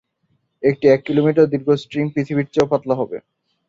একটি এক কিলোমিটার দীর্ঘ স্ট্রিং পৃথিবীর চেয়েও পাতলা হবে।